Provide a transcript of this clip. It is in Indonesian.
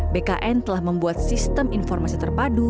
bkn telah membuat sistem informasi terpadu